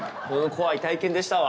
怖い体験でしたわ。